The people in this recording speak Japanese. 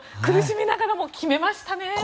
苦しみながらも決めましたね。